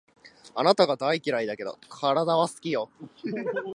あなたが大嫌いだけど、体は好き